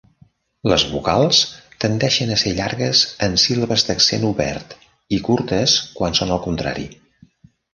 Les vocals tendeixen a ser llargues en síl·labes d'accent obert i curtes quan són el contrari.